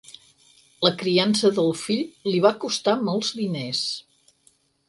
La criança del fill li va costar molts diners.